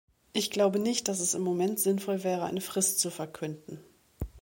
Ich glaube nicht, dass es im Moment sinnvoll wäre, eine Frist zu verkünden.